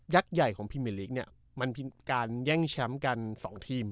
ยักษ์ใหญ่ของพิเมริกเนี้ยมันเป็นการแย่งแชมป์กันสองทีม